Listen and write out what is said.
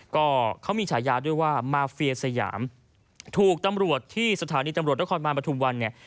ก็เขามีฉายาด้วยว่ามาเฟียสยามถูกตำรวจที่สถานีตำรวจนครบาลปฐุมวันเนี่ย